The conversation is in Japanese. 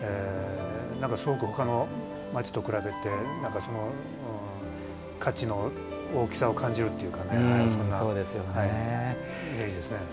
すごく他の町と比べて価値の大きさを感じるっていうかそんなイメージですね。